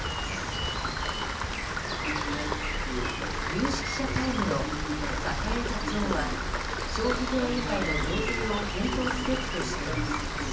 有識者会議の佐々江座長は消費税以外の増税を検討すべきとしています。